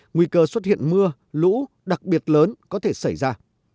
nguy cơ xuất hiện mưa lũ đặc biệt lớn có thể xảy ra